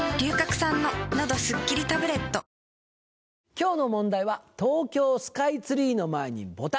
今日の問題は「東京スカイツリーの前にボタンが。